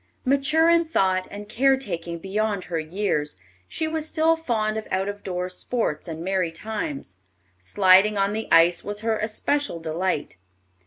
Mature in thought and care taking beyond her years, she was still fond of out door sports and merry times. Sliding on the ice was her especial delight.